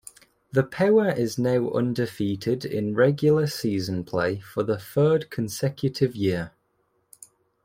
The Power is now undefeated in regular season play for the third consecutive year.